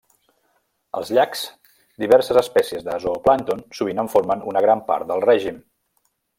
Als llacs, diverses espècies de zooplàncton sovint en formen una gran part del règim.